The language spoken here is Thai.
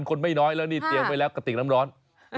คนไม่น้อยแล้วนี่เตรียมไว้แล้วกระติกน้ำร้อน